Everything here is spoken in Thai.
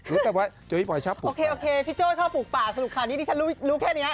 โอเคพี่โจ้ชอบปลูกป่าสนุกค่ะนี่ฉันรู้แค่นี้